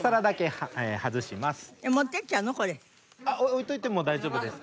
置いておいても大丈夫です。